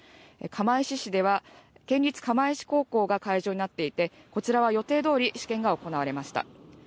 釜石市では県立釜石高校が会場になっていて、こちらは予定どおり試験が行われました。